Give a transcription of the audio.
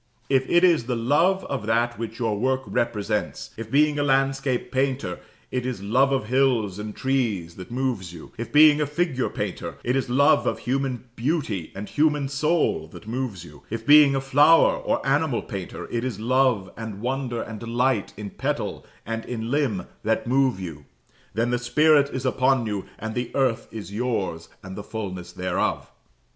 If it is the love of that which your work represents if, being a landscape painter, it is love of hills and trees that moves you if, being a figure painter, it is love of human beauty and human soul that moves you if, being a flower or animal painter, it is love, and wonder, and delight in petal and in limb that move you, then the Spirit is upon you, and the earth is yours, and the fulness thereof.